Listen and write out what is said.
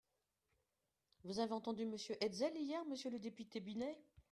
Vous avez entendu Monsieur Hetzel hier, monsieur le député Binet